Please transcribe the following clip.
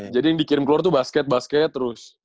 jadi yang dikirim keluar tuh basket basket terus